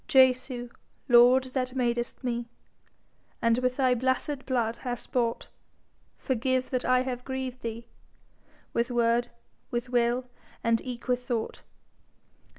Jesu, Lord, that madest me, And with thy blessed blood hast bought, Forgive that I have grieved thee With word, with will, and eke with thought.